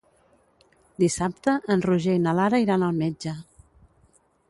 Dissabte en Roger i na Lara iran al metge.